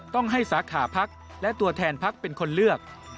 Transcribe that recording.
ต้องให้สาขาพักและตัวแทนพักเป็นคนเลือก